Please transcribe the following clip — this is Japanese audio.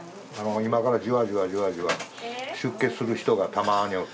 今からじわじわじわじわ出血する人がたまにおる。